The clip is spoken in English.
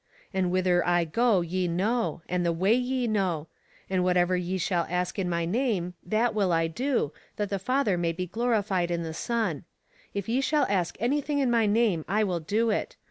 And whither I go ye know, and the way ye know. And what soever ye shall ask in my name, that will I do, that the Father may be glorified in the Son. If ye shall ask anything in my name, I will do it.